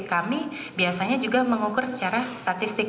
kami biasanya juga mengukur secara statistik